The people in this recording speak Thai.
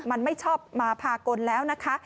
มันไม่ชอบมาพากลแล้วนะคะ